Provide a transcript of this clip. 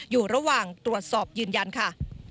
อยู่ระหว่างตรวจสอบยืนยันค่ะ